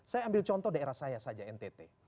saya ambil contoh daerah saya saja ntt